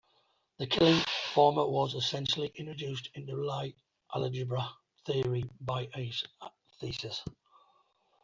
The Killing form was essentially introduced into Lie algebra theory by in his thesis.